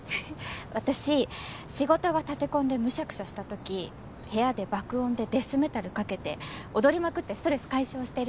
私仕事が立て込んでむしゃくしゃした時部屋で爆音でデスメタルかけて踊りまくってストレス解消してるんです。